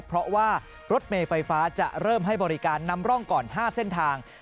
เพราะว่ารถเมย์ไฟฟ้าจะเริ่มให้บริการนำร่องก่อน๕เส้นทาง